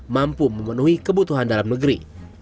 mampu memenuhi kebutuhan dalam negeri